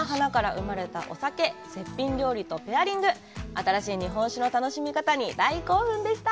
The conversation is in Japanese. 新しい日本酒の楽しみ方に、大興奮でした。